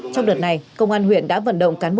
trong đợt này công an huyện đã vận động cán bộ